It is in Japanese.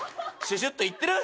シュシュっといってる？